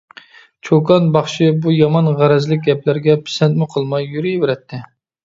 چوكان باخشى بۇ يامان غەرەزلىك گەپلەرگە پىسەنتمۇ قىلماي يۈرۈۋېرەتتى.